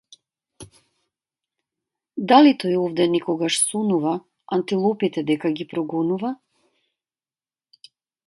Дали тој овде некогаш сонува антилопите дека ги ги прогонува?